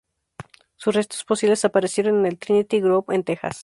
Sus restos fósiles aparecieron en el Trinity Group en Texas.